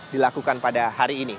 dilakukan pada hari ini